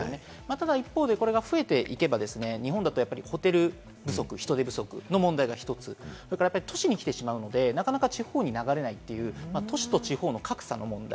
ただ一方で、これが増えていけば、日本だとホテル不足、人手不足の問題が１つ、都市に来てしまうので、なかなか地方に流れないという都市と地方の格差の問題。